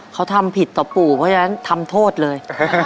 เขาทำผิดต่อปู่เพราะฉะนั้นทำโทษเลย